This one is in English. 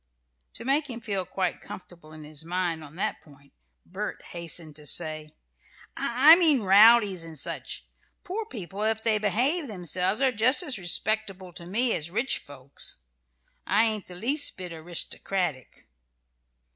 To make him feel quite comfortable in his mind on that point, Bert hastened to say: "I mean rowdies, and such. Poor people, if they behave themselves, are just as respectable to me as rich folks. I ain't the least mite aristocratic."